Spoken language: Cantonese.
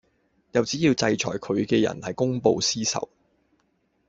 又指要求制裁佢嘅人係公報私仇